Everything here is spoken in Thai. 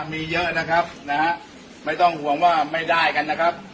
มีเยอะนะครับนะฮะไม่ต้องห่วงว่าไม่ได้กันนะครับ